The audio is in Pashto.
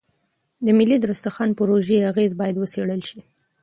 د ملي دسترخوان پروژې اغېز باید وڅېړل شي.